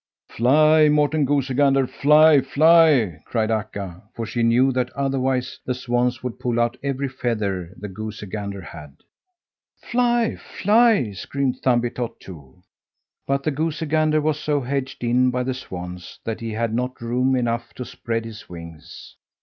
"Fly, Morten Goosey Gander! Fly, fly!" cried Akka, for she knew that otherwise the swans would pull out every feather the goosey gander had. "Fly, fly!" screamed Thumbietot, too. But the goosey gander was so hedged in by the swans that he had not room enough to spread his wings.